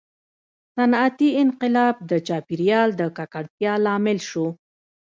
• صنعتي انقلاب د چاپېریال د ککړتیا لامل شو.